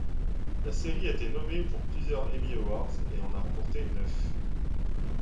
La série a été nommée pour plusieurs Emmy Awards et en a remporté neuf.